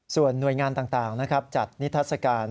ส่วนหน่วยงานต่างจัดนิทัศกาล